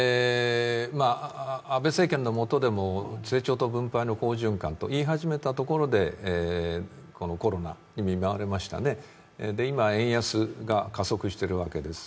安倍政権のもとでも成長と分配の好循環と言い始めたところでコロナに見舞われましたね、今円安が加速しているわけです。